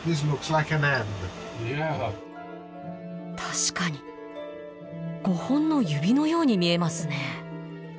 確かに５本の指のように見えますね。